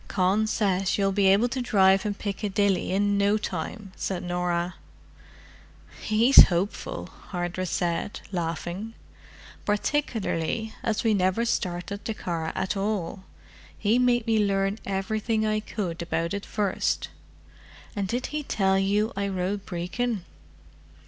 "Con says you'll be able to drive in Piccadilly in no time," said Norah. "He's hopeful," Hardress said, laughing. "Particularly as we never started the car at all—he made me learn everything I could about it first. And did he tell you I rode Brecon?"